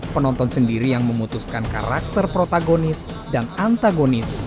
penonton sendiri yang memutuskan karakter protagonis dan antagonis